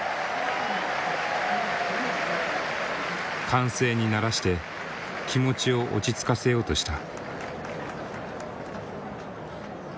歓声に慣らして気持ちを落ち着かせようとした。